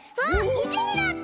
「１」になった！